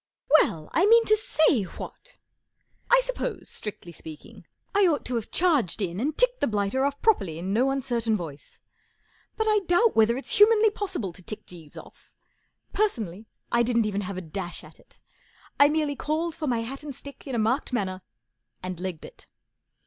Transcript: '* Well, I mean to say, what ! 1 suppose, strictly speaking, I ought to have charged in and ticked the blighter off properly in no uncertain voice. But I doubt whether it's humanly possible to tick Jeeves off. Personally, I didn't even have a dash at it. I merely called for my hat and stick in a marked manner and legged it.